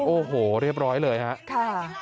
โอ้โหเรียบร้อยเลยครับ